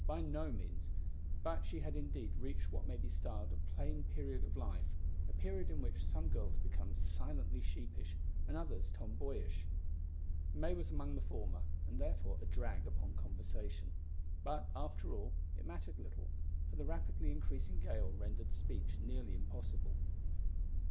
By no means, but she had indeed reached what may be styled a plain period of life a period in which some girls become silently sheepish, and others tomboyish; May was among the former, and therefore a drag upon conversation. But, after all, it mattered little, for the rapidly increasing gale rendered speech nearly impossible.